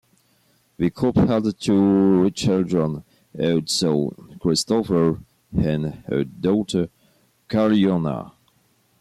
The couple had two children, a son Christopher and a daughter Karianna.